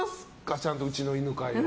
ちゃんとうちの犬飼は。